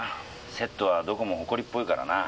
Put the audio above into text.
セットはどこも埃っぽいからな。